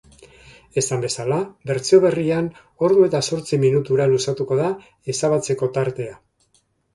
Esan bezala, bertsio berrian ordu eta zortzi minutura luzatuko da ezabatzeko tartea.